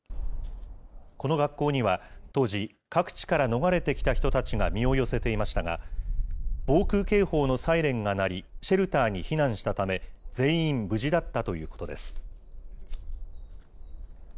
この学校には、当時各地から逃れてきた人たちが身を寄せていましたが、防空警報のサイレンが鳴り、シェルターに避難したため、全員無事だったということです。